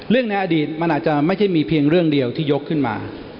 ในอดีตมันอาจจะไม่ใช่มีเพียงเรื่องเดียวที่ยกขึ้นมา